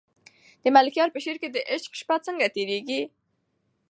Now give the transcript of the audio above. د ملکیار په شعر کې د عشق شپه څنګه تېرېږي؟